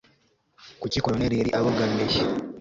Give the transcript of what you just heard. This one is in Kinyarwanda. kuki koroneri yari abogamiye